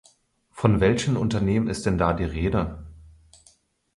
Von welchen Unternehmen ist denn da die Rede?